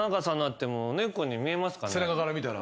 背中から見たら。